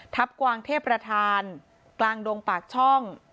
ทัพกวางเทพรฐานกลางดงปากช่อง